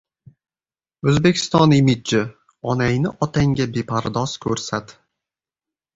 O‘zbekiston imidji: «Onangni otangga bepardoz ko‘rsat...»